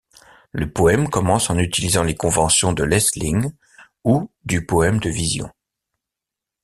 Le poème commence en utilisant les conventions de l'Aisling, ou du poème de vision.